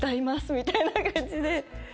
みたいな感じで。